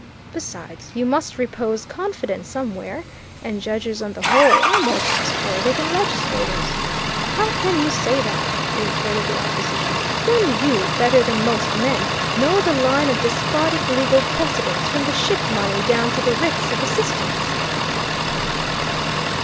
Besides, you must repose confidence somewhere, and judges, on the whole, are more trustworthy than legislators. How can you say that, retorted the opposition, when you, better than most men, know the line of despotic legal precedents from the Ship Money down to the Writs of Assistance?